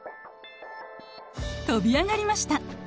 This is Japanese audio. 跳び上がりました。